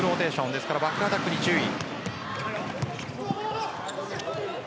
ですからバックアタックに注意。